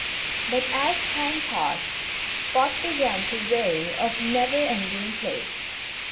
But as time passed Spot began to weary of never ending play.